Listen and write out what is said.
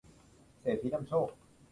เศรษฐีนำโชค